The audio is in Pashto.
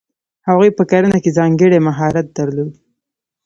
هغوی په کرنه کې ځانګړی مهارت درلود.